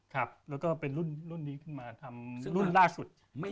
ครับแล้วก็เป็นรุ่นนี้ขึ้นมาทำรุ่นล่าสุด